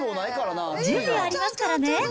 １０秒ありますからね。